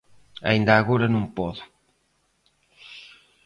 Aínda agora non podo.